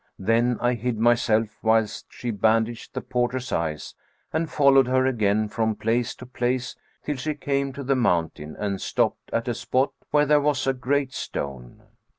Then I hid myself whilst she bandaged the porter's eyes and followed her again from place to place till she came to the mountain[FN#431] and stopped at a spot where there was a great stone.